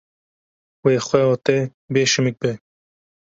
Wê xweha te bê şimik be.